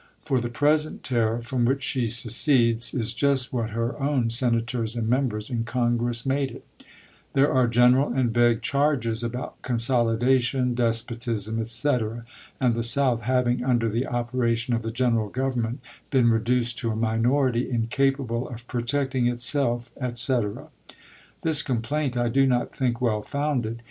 For the present tariff from which she secedes is just what her own Senators and Members in Congress made it. There are general and vague charges about consolidation, despotism, etc., and the South having, under the opera tion of the general Government, been reduced to a minor ity incapable of protecting itself, etc. This complaint I do not think well founded.